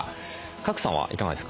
賀来さんはいかがですか？